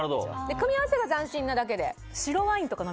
組み合わせが斬新なだけで。